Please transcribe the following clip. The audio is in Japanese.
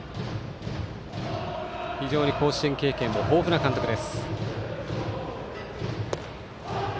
非常に甲子園経験も豊富な監督です。